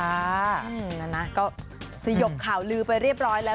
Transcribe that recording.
นั่นนะก็สยบข่าวลือไปเรียบร้อยแล้ว